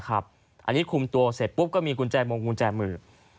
อันนี้คุมตัวเสร็จปุ๊บก็มีกุญแจมงกุญแจมือ